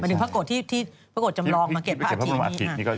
เป็นอีกพระโกตที่จำลองมาเก็บพระอาทิตย์นี่ค่ะ